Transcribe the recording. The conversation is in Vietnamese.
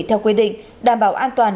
theo quy định đảm bảo an toàn